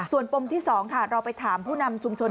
ส่วนปมที่๒ค่ะเราไปถามผู้นำชุมชน